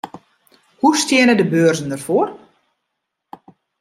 Hoe steane de beurzen derfoar?